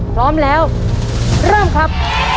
พร้อมแล้วเริ่มครับ